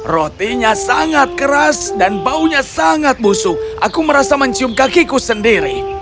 rotinya sangat keras dan baunya sangat busuk aku merasa mencium kakiku sendiri